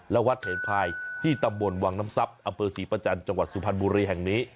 แล้ววัดเถ็นภายที่ตับบนวังน้ำซับอำเป้าสีประจันทร์จังหวัดศูพันธ์บุรีแห่งนี้